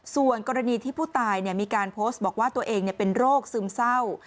ส่วนกรณีที่ผู้ตายมีการโพสต์บอกว่าตัวเองเป็นโรคซึมเศร้า